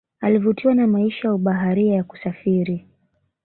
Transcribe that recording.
Alivutiwa na maisha ya ubaharia ya kusafiri